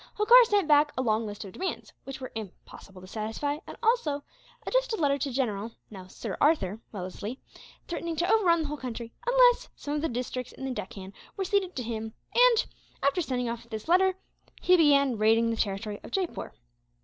Holkar sent back a long list of demands, which were impossible to satisfy; and also addressed a letter to General now Sir Arthur Wellesley, threatening to overrun the whole country, unless some of the districts in the Deccan were ceded to him and, after sending off this letter, he began raiding the territory of Jaipore.